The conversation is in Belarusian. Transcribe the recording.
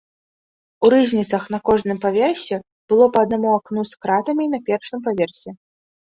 У рызніцах на кожным паверсе было па аднаму акну з кратамі на першым паверсе.